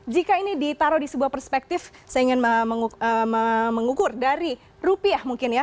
jika ini ditaruh di sebuah perspektif saya ingin mengukur dari rupiah mungkin ya